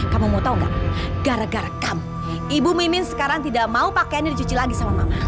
kamu mau tau gak gara gara kamu ibu mimin sekarang tidak mau pakai niatmu